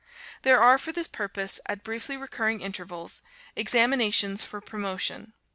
There are, for this purpose, at briefly recurring intervals, examinations for promotion.